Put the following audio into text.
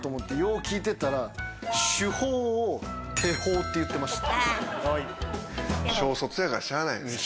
聞いてたら手法をてほうって言ってました。